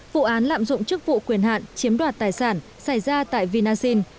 vụ án lạm dụng chức vụ quyền hạn chiếm đoạt tài sản xảy ra tại vinasin